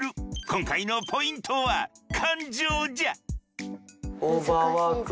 今回のポイントは感情じゃ。